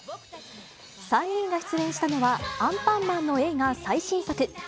３人が出演したのは、アンパンマンの映画最新作。